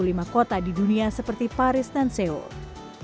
yang diikuti empat puluh lima kota di dunia seperti pariwana jawa timur dan jawa timur